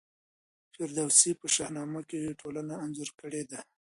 فردوسي په شاهنامه کي ټولنه انځور کړې ده.